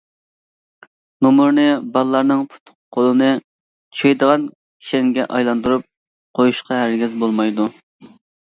نومۇرنى بالىلارنىڭ پۇت-قولىنى چۈشەيدىغان كىشەنگە ئايلاندۇرۇپ قويۇشقا ھەرگىز بولمايدۇ.